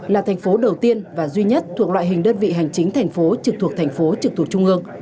là thành phố đầu tiên và duy nhất thuộc loại hình đơn vị hành chính thành phố trực thuộc thành phố trực thuộc trung ương